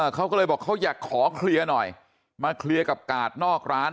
เขาก็เลยบอกเขาอยากขอเคลียร์หน่อยมาเคลียร์กับกาดนอกร้าน